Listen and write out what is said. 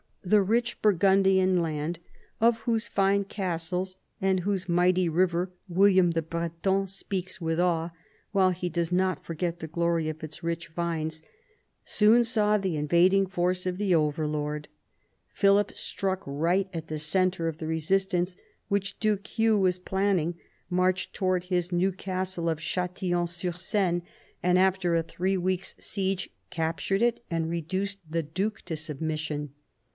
The rich Burgundian land, of whose fine castles and whose mighty river William the Breton speaks with awe, while he does not forget the glory of its rich vines, soon saw the invading force of the overlord. Philip struck right at the centre of the resistance which duke Hugh was planning, marched towards his new castle of Chatillon sur Seine, and after a three weeks' siege v THE ADVANCE OF THE MONARCHY 119 captured it and reduced the duke to submission.